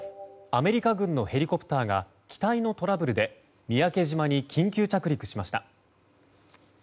アメリカ軍のヘリコプターが機体のトラブルで三宅島に緊急着陸しました。